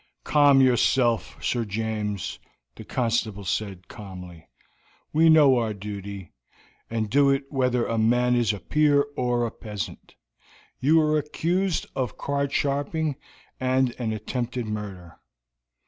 "Calm yourself, Sir James," the constable said calmly. "We know our duty, and do it whether a man is a peer or a peasant; you are accused of card sharping and an attempted murder."